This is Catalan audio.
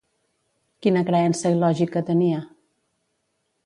Quina creença il·lògica tenia?